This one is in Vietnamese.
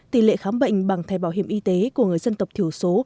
tỷ lệ khám bệnh bằng thẻ bảo hiểm y tế của người dân tộc thiểu số